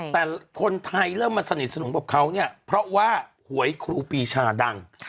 แต่คนไทยเริ่มมาสนิทสนมกับเขาเนี่ยเพราะว่าหวยครูปีชาดัง